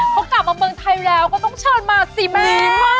เขากลับมาเมืองไทยแล้วก็ต้องเชิญมาสิแม่